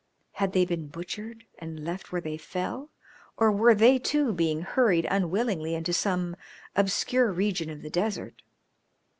Had they been butchered and left where they fell, or were they, too, being hurried unwillingly into some obscure region of the desert?